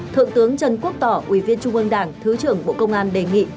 thượng tướng trần quốc tỏ ủy viên trung ương đảng thứ trưởng bộ công an đề nghị